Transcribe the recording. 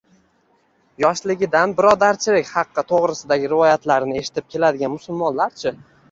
– yoshligidan birodarchilik haqqi to‘g‘risidagi rivoyatlarni eshitib keladigan musulmonlar-chi?